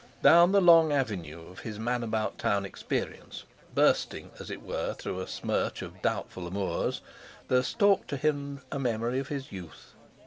Down the long avenue of his man about town experience, bursting, as it were, through a smirch of doubtful amours, there stalked to him a memory of his youth.